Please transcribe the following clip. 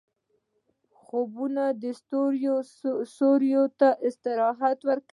خوب د ستوريو سیوري ته استراحت دی